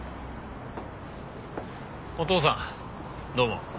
お父さんどうも。